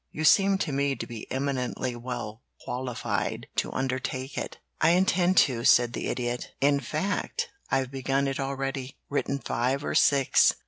You seem to me to be eminently well qualified to undertake it." "I intend to," said the Idiot. "In fact, I've begun it already. Written five or six.